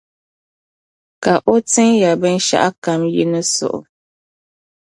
Ka o tin ya binshɛɣu kam yi ni suhi O.